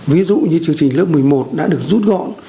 ví dụ như chương trình lớp một mươi một đã được rút gọn